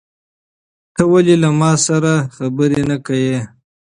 ته ولې له ما سره خبرې نه کوې؟